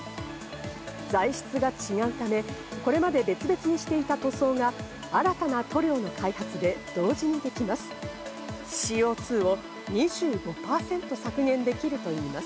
材質が違うため、これまで別々にしていた塗装が新たな塗料の開発で同時にできます。